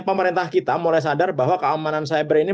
pemerintah kita mulai sadar bahwa keamanan cyber ini